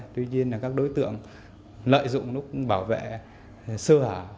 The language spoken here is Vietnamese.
tuy nhiên là các đối tượng lợi dụng lúc bảo vệ sơ hở